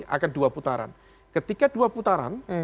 akan dua putaran ketika dua putaran